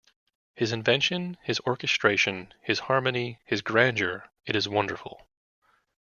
His invention, his orchestration, his harmony, his grandeur, it is wonderful.